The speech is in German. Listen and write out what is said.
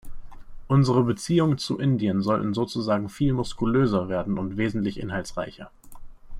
Unsere Beziehungen zu Indien sollten sozusagen viel muskulöser werden und wesentlich inhaltsreicher.